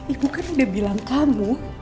ibu kan udah bilang kamu